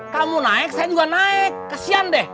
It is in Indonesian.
kamu naik saya juga naik kesian deh